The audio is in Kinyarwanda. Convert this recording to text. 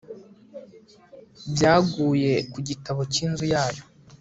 byaguye ku gitabo cy'inzu yayo